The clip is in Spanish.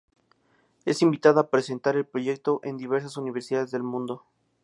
Es invitada a presentar el proyecto en diversas universidades del mundo.